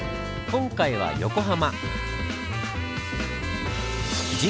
今回は横浜。